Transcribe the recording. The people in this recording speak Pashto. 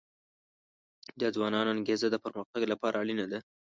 د ځوانانو انګیزه د پرمختګ لپاره اړینه ده.